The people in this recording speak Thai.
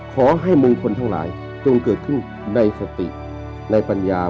ขอให้มงคลทั้งหลายจงเกิดขึ้นในสติในปัญญา